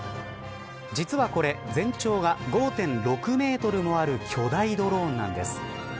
実はこれ全長が５．６メートルもある巨大ドローンなんです。